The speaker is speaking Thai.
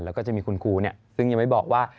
แล้วก็จะมีคุณครูซึ่งยังไม่บอกว่า